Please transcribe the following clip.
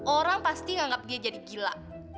orang pasti menganggap dia jadi gila